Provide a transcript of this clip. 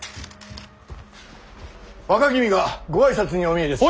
若君がご挨拶にお見えです。